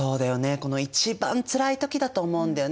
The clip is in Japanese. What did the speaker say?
この一番つらい時だと思うんだよね。